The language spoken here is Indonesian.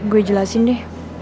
gue jelasin deh